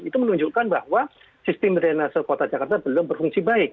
itu menunjukkan bahwa sistem drenase kota jakarta belum berfungsi baik